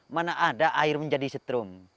mana ada air menjadi setrum